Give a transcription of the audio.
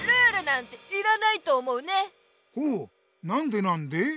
ほうなんでなんで？